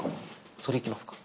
それいきますか？